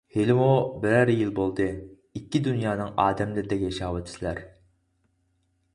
ھېلىمۇ بىرەر يىل بولدى، ئىككى دۇنيانىڭ ئادەملىرىدەك ياشاۋاتىسىلەر.